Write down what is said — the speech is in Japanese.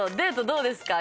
どうですか？